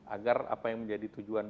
agar apa yang menjadi tujuan